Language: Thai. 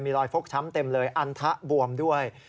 มีรอยฟกช้ำเต็มเลยอันทะบวมด้วย